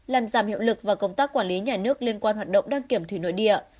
làm giảm hiệu lực và công tác quản lý nhà nước liên quan hoạt động đăng kiểm thủy nội địa